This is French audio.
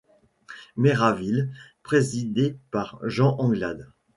Méraville, présidée par Jean Anglade.